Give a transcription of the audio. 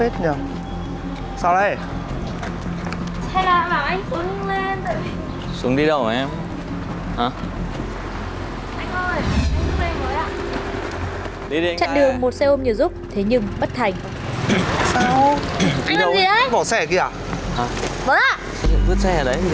trận đường một xe ôm nhờ giúp thế nhưng bất thành